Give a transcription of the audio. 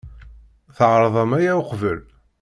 Tɛerḍem aya uqbel?